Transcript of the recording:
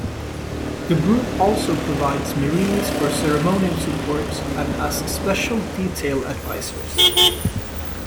The group also provides Marines for ceremonial support and as special detail advisors.